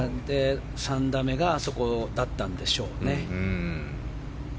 ３打目があそこだったんでしょうね。